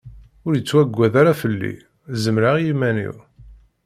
Ur yettwaggad ara fell-i, zemreɣ i yiman-iw.